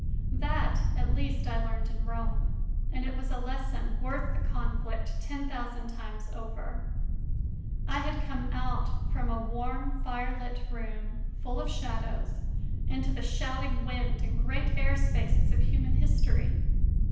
That at least I learned in Rome, and it was a lesson worth the conflict ten thousand times over. I had come out from a warm firelit room, full of shadows, into the shouting wind and great air spaces of human history.